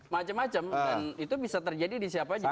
macam macam dan itu bisa terjadi di siapa juga